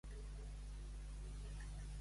Ser un epuló.